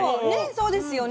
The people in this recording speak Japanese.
そうですよね。